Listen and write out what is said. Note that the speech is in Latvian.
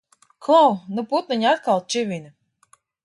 Klau! Nu putniņi atkal čivina!